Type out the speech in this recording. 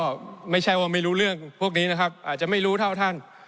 ผมไม่รู้เรื่องพวกนี้นะครับอาจจะไม่รู้เท่าท่าน